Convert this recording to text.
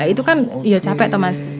itu kan ya capek tuh mas